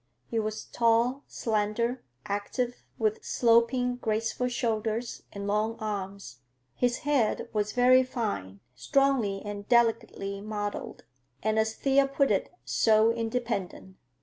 He was tall, slender, active, with sloping, graceful shoulders and long arms. His head was very fine, strongly and delicately modelled, and, as Thea put it, "so independent."